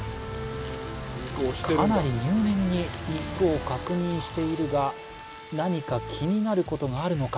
かなり入念に肉を確認しているが何か気になることがあるのか？